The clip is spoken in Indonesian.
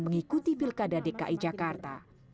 mengikuti pilkada dki jakarta